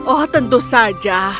oh tentu saja